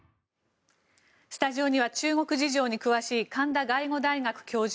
スタジオには中国事情に詳しい神田外語大学教授